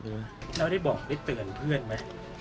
แล้วได้บอกได้เตือนเพื่อนไหม